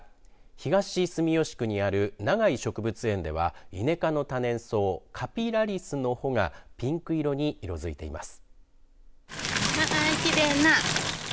東住吉区にある長居植物園ではイネ科の多年草カピラリスの穂がピンク色に色づいています。